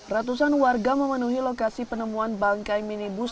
ratusan warga memenuhi lokasi penemuan bangkai minibus